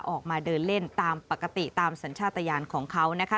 ออกมาเดินเล่นตามปกติตามสัญชาติยานของเขานะคะ